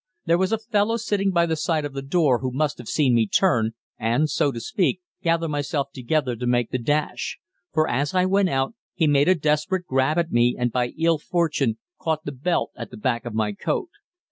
There was a fellow sitting by the side of the door who must have seen me turn and, so to speak, gather myself together to make the dash; for, as I went out, he made a desperate grab at me and by ill fortune caught the belt at the back of my coat.